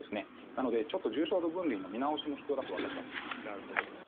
なのでちょっと重症度分類の見直しも必要だと私は思っています。